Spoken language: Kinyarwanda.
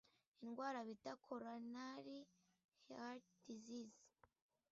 indwara bita coronary heart disease,